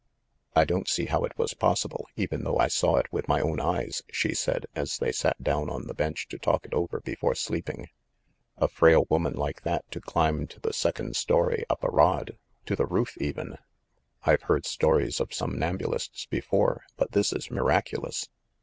"I don't see how it was possible, even though I saw it with my own eyes!" she said, as they sat down on the bench to talk it over before sleeping. "A frail woman like that to climb to the second story up a rod, to the roof even ! I've heard stories of somnam bulists before, but this is miraculous!"